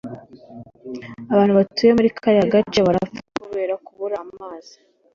Abantu batuye muri kariya gace barapfa kubera kubura amazi.